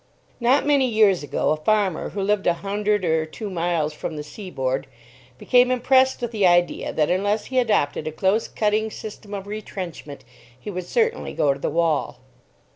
NOT many years ago, a farmer who lived a hundred or two miles from the seaboard, became impressed with the idea that unless he adopted a close cutting system of retrenchment, he would certainly go to the wall.